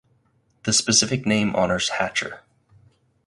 The specific name honors Hatcher.